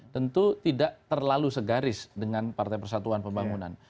tentu tidak terlalu segaris dengan partai persatuan pembangunan